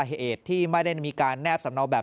เหตุที่ไม่ได้มีการแนบสำเนาแบบ